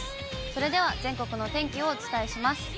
それでは全国のお天気をお伝えします。